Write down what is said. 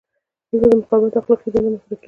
دلته د مقاومت اخلاقي دنده مطرح کیږي.